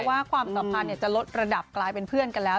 ความสัมพันธ์จะลดระดับกลายเป็นเพื่อนกันแล้ว